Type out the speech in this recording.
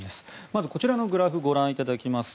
まず、こちらのグラフをご覧いただきます。